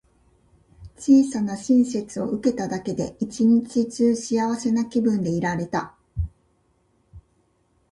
小さな親切を受けただけで、一日中幸せな気分でいられた。